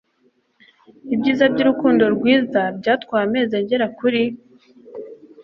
ibyiza byurukundo rwiza Byatwaye amezi agera kuri